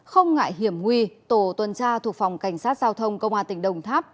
không ngại hiểm nguy tổ tuần tra thuộc phòng cảnh sát giao thông công an tỉnh đồng tháp